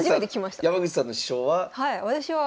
山口さんの師匠は？